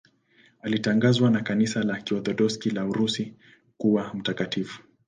Alitangazwa na Kanisa la Kiorthodoksi la Urusi kuwa mtakatifu.